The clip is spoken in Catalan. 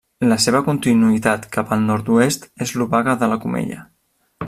La seva continuïtat cap al nord-oest és l'Obaga de la Comella.